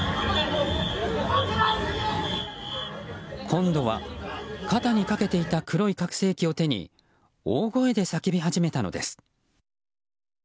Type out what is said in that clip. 今度は肩にかけていた黒い拡声器を手に大声で叫び始めたのです。